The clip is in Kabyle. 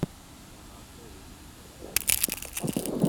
Taɣaṭ-im ad d-tarew izimer.